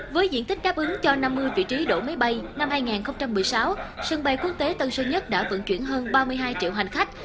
với diện tích đáp ứng cho năm mươi vị trí đổ máy bay năm hai nghìn một mươi sáu sân bay quốc tế tân sơn nhất đã vận chuyển hơn ba mươi hai triệu hành khách